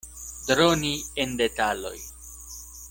Droni en detaloj.